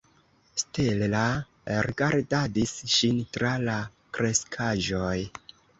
Stella rigardadis ŝin tra la kreskaĵoj.